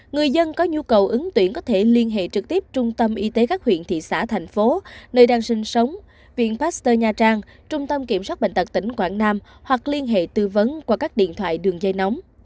người dân có nhu cầu ứng tuyển có thể liên hệ trực tiếp trung tâm y tế các huyện thị xã thành phố nơi đang sinh sống viện pasteur nha trang trung tâm kiểm soát bệnh tật tỉnh quảng nam hoặc liên hệ tư vấn qua các điện thoại đường dây nóng